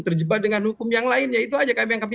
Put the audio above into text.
terjebak dengan hukum yang lain ya itu aja kami